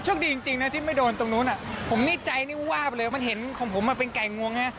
คดีจริงนะที่ไม่โดนตรงนู้นผมนี่ใจนี่วาบเลยมันเห็นของผมเป็นไก่งวงฮะ